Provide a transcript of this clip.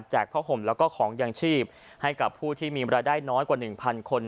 แจกเพราะห่มแล้วก็ของยางชีพให้กับผู้ที่มีเมล็ดได้น้อยกว่า๑๐๐๐คน